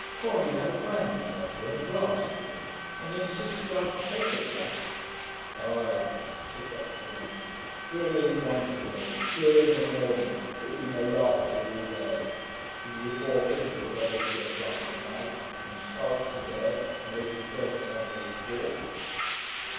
Corri had a brandy bottle and glass with him, and insisted I should take a dram. 'Ay,' said Dr Johnson, 'fill him drunk again. Do it in the morning, that we may laugh at him all day. It is a poor thing for a fellow to get drunk at night, and sculk to bed, and let his friends have no sport.'